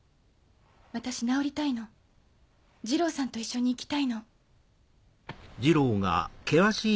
私治りたいの二郎さんと一緒に生きたいの。